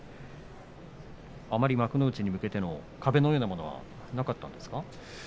あまり幕内に向けての壁のようなものはなかったんですか？